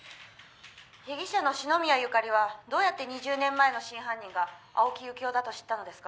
「被疑者の篠宮ゆかりはどうやって２０年前の真犯人が青木由紀男だと知ったのですか？」